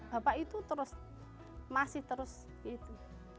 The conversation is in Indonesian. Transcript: bapak itu terus masih terus gitu